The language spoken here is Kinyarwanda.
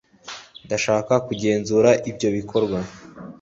ndashaka kugenzura ibyo bikorwa